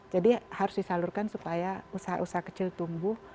jadi harus disalurkan supaya usaha usaha kecil tumbuh